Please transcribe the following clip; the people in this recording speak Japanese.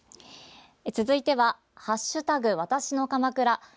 続いては「＃わたしの鎌倉」。